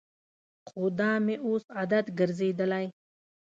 خو دا مې اوس عادت ګرځېدلی.